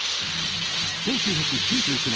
１９９９年